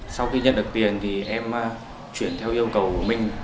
sau khi nhận được tiền thì em chuyển theo yêu cầu của minh